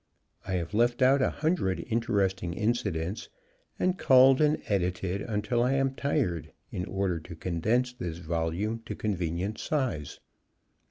I have left out a hundred interesting incidents and culled and edited until I am tired, in order to condense this volume to convenient size.